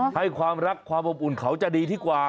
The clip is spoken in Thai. ให้ความรักความอบอุ่นเขาจะดีที่กว่า